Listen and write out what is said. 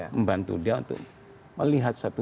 membantu dia untuk melihat satu